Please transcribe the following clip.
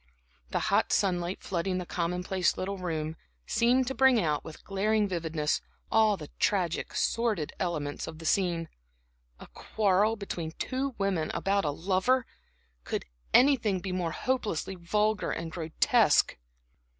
The hot sunlight, flooding the commonplace little room, seemed to bring out, with glaring vividness, all the tragic, sordid elements of the scene. A quarrel between two women about a lover! Could anything be more hopelessly vulgar and grotesque?